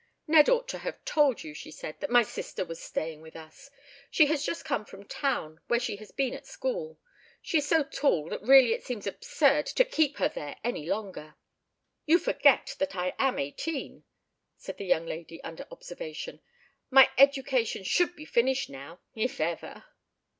"Ned ought to have told you," she said, "that my sister was staying with us. She has just come from town, where she has been at school. She is so tall that really it seemed absurd to keep her there any longer." "You forget that I am eighteen," said the young lady under observation. "My education should be finished now, if ever."